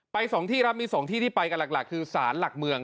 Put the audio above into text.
๒ที่ครับมี๒ที่ที่ไปกันหลักคือสารหลักเมือง